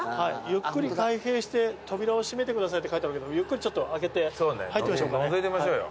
「ゆっくり開閉して扉を閉めてください」って書いてあるけどゆっくり開けて入ってみましょうか。